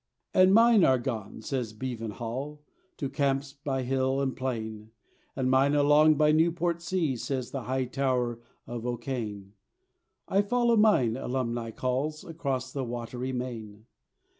And mine are gone, says Beaven Hall, To camps by hill and plain, And mine along by Newport Sea, Says the high tower of O'Kane; I follow mine, Alumni calls, Across the watery main.